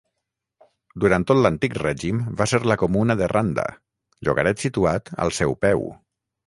Durant tot l'antic règim va ser la comuna de Randa, llogaret situat al seu peu.